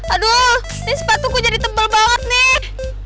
aduh ini sepatuku jadi tebel banget nih